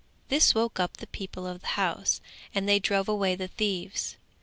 This woke up the people of the house and they drove away the thieves.